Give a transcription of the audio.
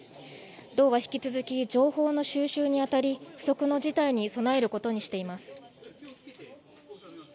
道は引き続き情報の収集にあたり不測の事態に備えることにしています。